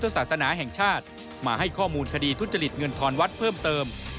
ศาสนาแห่งชาติมาให้ข้อมูลคดีทุจริตเงินทอนวัดเพิ่มเติม